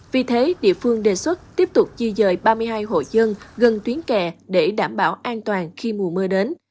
vì thế địa phương đề xuất tiếp tục di dời ba mươi hai hộ dân gần tuyến kè để đảm bảo an toàn khi mùa mưa đến